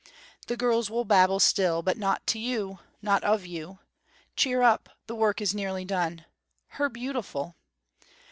The girls will babble still, but not to you, not of you. Cheer up, the work is nearly done. Her beautiful!